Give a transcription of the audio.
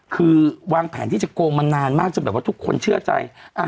คือวางแผนที่จะโกงมานานมากจนแบบว่าทุกคนเชื่อใจ